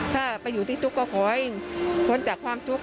ถ้าไปอยู่ที่ภูมิก็ขอเอาเพื่อนจากความภูมิ